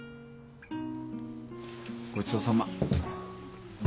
ごちそうさま。